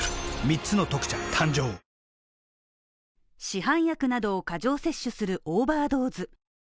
市販薬などを過剰摂取するオーバードーズ。